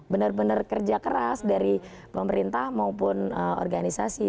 benar benar kerja keras dari pemerintah maupun organisasi